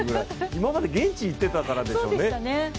今まで現地に行っていたからでしょうね。